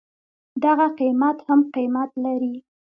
دغه قيمت هم قيمت لري.